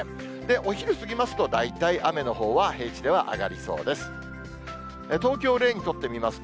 お昼過ぎますと、大体雨のほうは平地では上がりそうです。